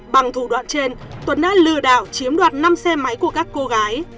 bằng thủ đoạn trên tuấn đã lừa đảo chiếm đoạt năm xe máy của các cô gái